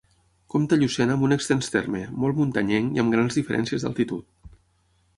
Compta Llucena amb un extens terme, molt muntanyenc i amb grans diferències d'altitud.